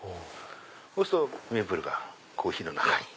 そうするとメープルがコーヒーの中に。